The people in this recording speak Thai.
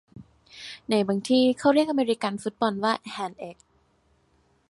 ในบางที่เขาเรียกอเมริกันฟุตบอลว่าแฮนด์เอ๊ก